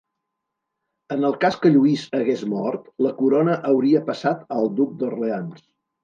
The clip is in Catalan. En el cas que Lluís hagués mort, la corona hauria passat al duc d'Orleans.